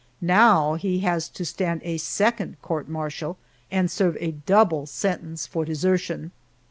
Now he has to stand a second court martial, and serve a double sentence for desertion!